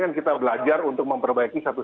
kan kita belajar untuk memperbaiki satu